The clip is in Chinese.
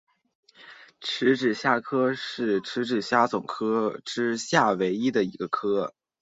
匙指虾科是匙指虾总科之下唯一的一个科。